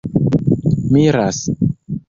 miras